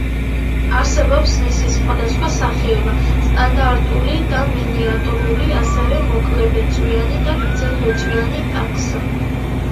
არსებობს მისი სხვადასხვა სახეობა: სტანდარტული და მინიატურული, ასევე მოკლებეწვიანი და გრძელბეწვიანი ტაქსა.